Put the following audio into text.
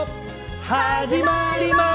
始まります！